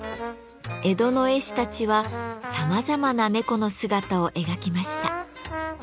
江戸の絵師たちはさまざまな猫の姿を描きました。